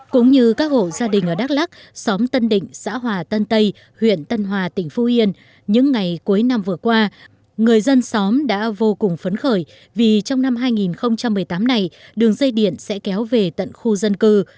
cũng như các hộ gia đình ở đắk lắc xóm tân định xã hòa tân tây huyện tân hòa tỉnh phú yên những ngày cuối năm vừa qua người dân xóm đã vô cùng phấn khởi vì trong năm hai nghìn một mươi tám này đường dây điện sẽ kéo về tận khu dân cư